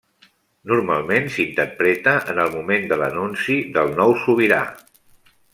Normalment s'interpreta en el moment de l'anunci del nou sobirà.